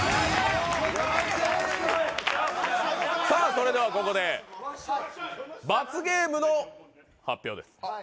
それではここで罰ゲームの発表です。